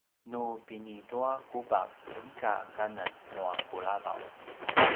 nu pinituakubav inika kanen nua kulavav